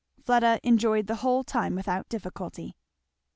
Fleda enjoyed the whole time without difficulty.